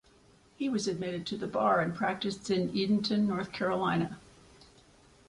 He was admitted to the bar and practiced in Edenton, North Carolina.